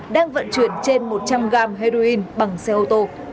đang vận chuyển trên một trăm linh gram heroin bằng xe ô tô